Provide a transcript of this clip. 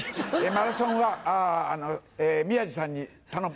マラソンは宮治さんに頼む。